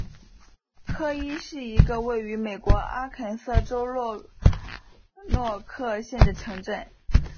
科伊是一个位于美国阿肯色州洛诺克县的城镇。